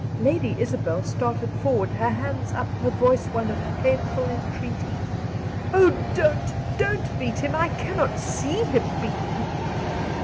Lady Isabel started forward, her hands up, her voice one of painful entreaty. "Oh, don't, don't beat him! I cannot see him beaten."